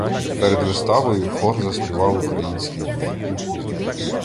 Перед виставою хор заспівав український гімн.